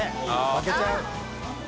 負けちゃう。